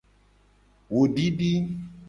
Wo didi.